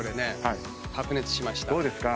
どうですか？